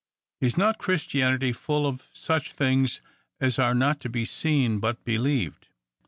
Is not Christianity full of such things as are not to be seen, but believed